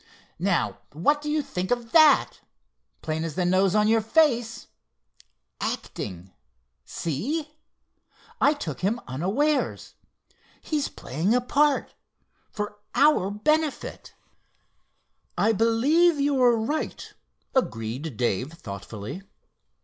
"Now what do you think of that? Plain as the nose on your face. 'Acting,' see? I took him unawares. He's playing a part—for our benefit!" "I believe you're right," agreed Dave thoughtfully.